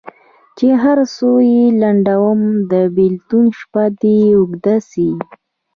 چي هر څو یې لنډومه د بېلتون شپه دي اوږده سي